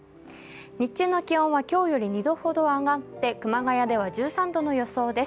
日中の気温は今日より２度ほど上がって、熊谷では１３度の予想です。